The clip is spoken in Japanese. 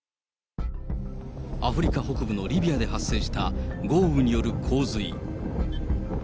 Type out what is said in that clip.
アフリカ北部のリビアで発生した豪雨による洪水。